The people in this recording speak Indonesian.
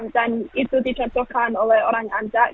dan itu diceritakan oleh orang ansek